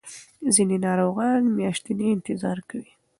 ځینې ناروغان میاشتې انتظار کوي.